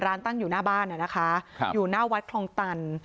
ตั้งอยู่หน้าบ้านนะคะอยู่หน้าวัดคลองตัน